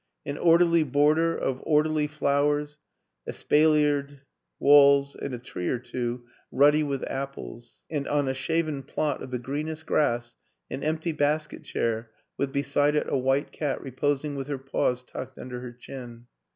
An orderly border of orderly flowers, es paliered walls and a tree or two ruddy with ap ples; and on a shaven plot of the greenest grass an empty basket chair with beside it a white cat reposing with her paws tucked under her chin.